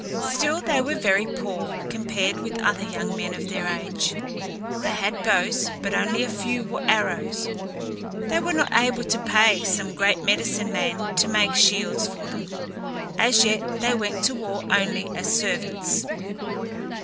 Still they were very poor, compared with other young men of their age. They had bows, but only a few arrows. They were not able to pay some great medicine man to make shields for them. As yet they went to war only as servants.